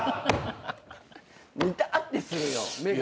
にたってする目が。